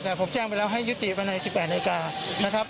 แต่ผมแจ้งไปแล้วให้ยุติไปใน๑๘นาฬิกานะครับ